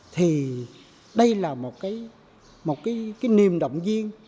thì đây là một cái niềm động viên